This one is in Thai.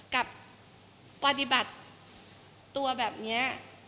กับปฏิบัติตัวแบบนี้